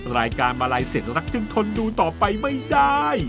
รายการมาลัยเสร็จรักจึงทนดูต่อไปไม่ได้